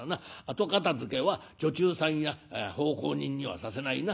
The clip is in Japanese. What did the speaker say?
後片づけは女中さんや奉公人にはさせないな。